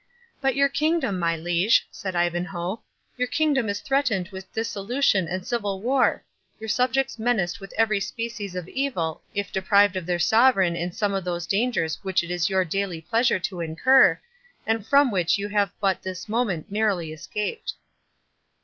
"But your kingdom, my Liege," said Ivanhoe, "your kingdom is threatened with dissolution and civil war—your subjects menaced with every species of evil, if deprived of their sovereign in some of those dangers which it is your daily pleasure to incur, and from which you have but this moment narrowly escaped."